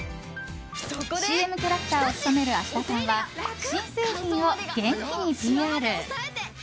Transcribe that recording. ＣＭキャラクターを務める芦田さんは新製品を元気にＰＲ。